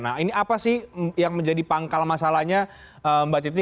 nah ini apa sih yang menjadi pangkal masalahnya mbak titi